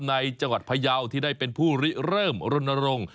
ในจังหวัดพยาวที่ได้เป็นผู้ริเริ่มรณรงค์